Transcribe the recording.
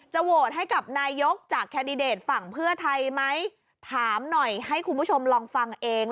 โหวตให้กับนายกจากแคนดิเดตฝั่งเพื่อไทยไหมถามหน่อยให้คุณผู้ชมลองฟังเอง